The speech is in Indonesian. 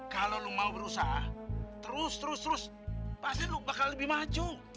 kalau lo mau berusaha terus terus terus pasti lo bakal lebih maju